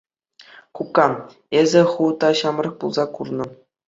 Кукка, эсӗ ху та ҫамрӑк пулса курнӑ.